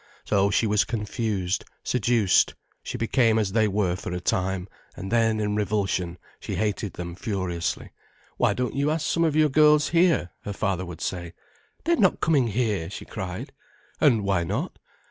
So she was confused, seduced, she became as they were for a time, and then, in revulsion, she hated them furiously. "Why don't you ask some of your girls here?" her father would say. "They're not coming here," she cried. "And why not?"